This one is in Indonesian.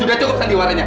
sudah cukup sandiwaranya